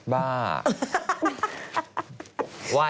บ้า